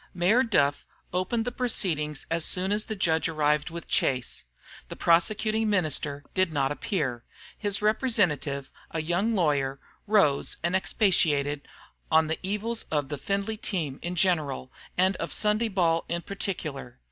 Mayor Duff opened proceedings as soon as the judge arrived with Chase. The prosecuting minister did not appear. His representative, a young lawyer, rose and expatiated on the evils of the Findlay team in general and of Sunday ball in particular.